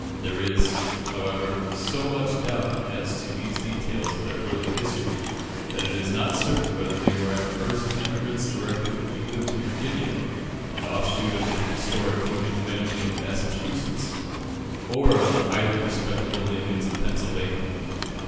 There is, however, so much doubt as to these details of their early history, that it is not certain whether they were at first emigrants directly from England to Virginia, an offshoot of the historic Lincoln family in Massachusetts, or of the highly respectable Lincolns of Pennsylvania.